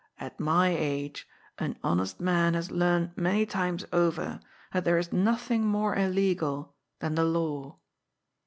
'^ At my age an honest man has learnt many times over that there is nothing more illegal than the law.